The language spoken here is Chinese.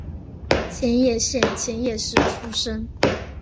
千叶县千叶市出身。